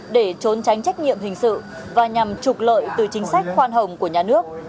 để trốn tránh trách nhiệm hình sự và nhằm trục lợi từ chính sách khoan hồng của nhà nước